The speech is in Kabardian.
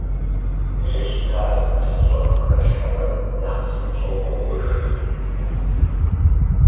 Лы щтар псы щӏыӏэм хэплъхьэмэ, нэхъ псынщӏэу къовыж.